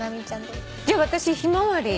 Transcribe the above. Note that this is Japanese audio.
じゃあ私「ひまわり」